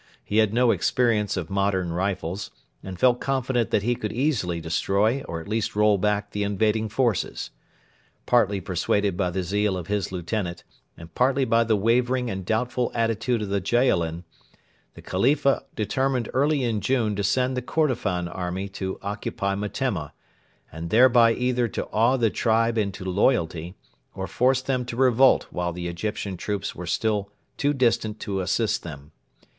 He had no experience of modern rifles, and felt confident that he could easily destroy or at least roll back the invading forces. Partly persuaded by the zeal of his lieutenant, and partly by the wavering and doubtful attitude of the Jaalin, the Khalifa determined early in June to send the Kordofan army to occupy Metemma, and thereby either to awe the tribe into loyalty, or force them to revolt while the Egyptian troops were still too distant to assist them.